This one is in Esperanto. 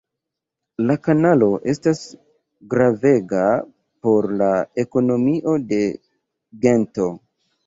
La kanalo estas gravega por la ekonomio de Gento.